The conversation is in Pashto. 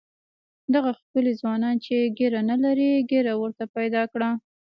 دغه ښکلي ځوانان چې ږیره نه لري ږیره ورته پیدا کړه.